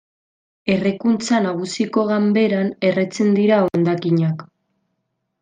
Errekuntza nagusiko ganberan erretzen dira hondakinak.